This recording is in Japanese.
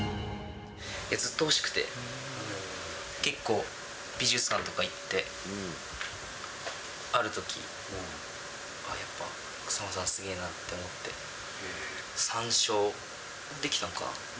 ずっと欲しくて、結構、美術館とか行って、あるとき、あっ、やっぱ草間さん、すげぇなって思って、３勝できたのかな。